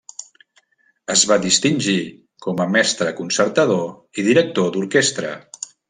Es va distingir com a mestre concertador i director d'orquestra.